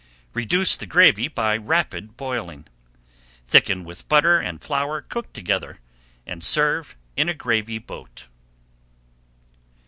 Reduce the gravy by rapid boiling, thicken with butter and flour cooked together, and serve in a gravy boat.